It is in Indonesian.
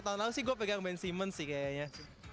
tahun lalu sih gue pegang ben simmons sih kayaknya